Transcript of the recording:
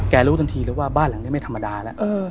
รู้ทันทีเลยว่าบ้านหลังนี้ไม่ธรรมดาแล้ว